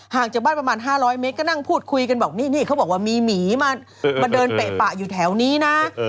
จากบ้านประมาณ๕๐๐เมตรก็นั่งพูดคุยกันบอกนี่เขาบอกว่ามีหมีมาเดินเปะปะอยู่แถวนี้นะ